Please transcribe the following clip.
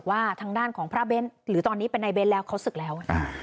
ว่าทางด้านของพระเบ้นหรือตอนนี้เป็นนายเบ้นแล้วเขาศึกแล้ว